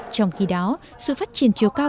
trong khi đó sự phát triển chiều cao